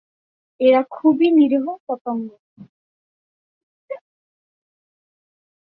এরা খুবই নিরীহ পতঙ্গ।